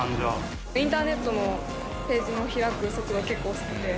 インターネットのページを開く速度、結構遅くて。